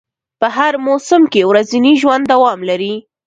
په هر موسم کې ورځنی ژوند دوام لري